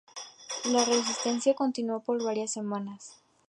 La resistencia continuó por varias semanas.